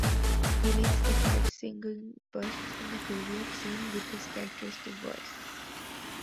He leads the five "singing busts" in the graveyard scene with his characteristic voice.